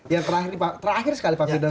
yang terakhir sekali pak firdaus